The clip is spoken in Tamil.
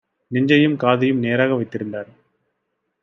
நெஞ்சையும் காதையும் நேராக வைத்திருந்தார்: